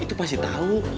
itu pasti tau